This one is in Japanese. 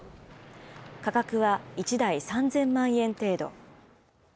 価格は１台３０００万円程度。